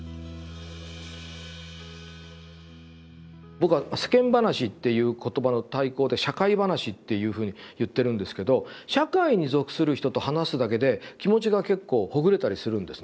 僕は「世間話」っていう言葉の対抗で「社会話」っていうふうに言ってるんですけど社会に属する人と話すだけで気持ちが結構ほぐれたりするんですね。